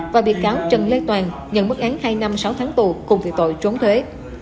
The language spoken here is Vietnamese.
và bị cáo trần lê toàn nhận mức án hai năm sáu tháng tù cùng về tội trốn thuế